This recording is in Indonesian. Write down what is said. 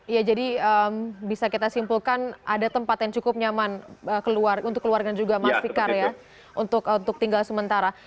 ya jadi bisa kita simpulkan ada tempat yang cukup nyaman untuk keluarga juga mas fikar ya untuk tinggal sementara